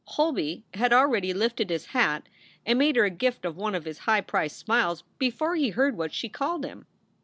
Holby had already lifted his hat and made her a gift of one of his high priced smiles before he heard what she called him.